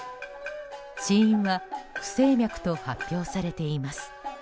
死因は不整脈と発表されています。